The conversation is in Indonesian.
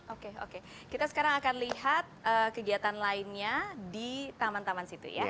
oke oke kita sekarang akan lihat kegiatan lainnya di taman taman situ ya